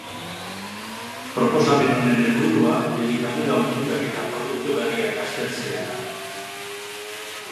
Proposamen honen helburua elikadura ohiturak eta produktu berriak aztertzea da.